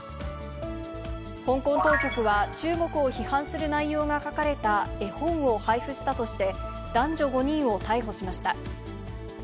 香港当局は、中国を批判する内容が書かれた絵本を配布したとして、男女５人を逮捕しました。